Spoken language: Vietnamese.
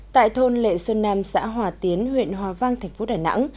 tại thôn lệ sơn nam xã hòa tiến huyện hòa vang thành phố đà nẵng